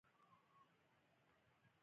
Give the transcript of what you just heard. درې قدمه لاندې توره لاره تللې ده.